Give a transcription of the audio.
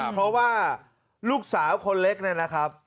เพราะว่าลูกสาวคนเล็กเนี่ยนะครับ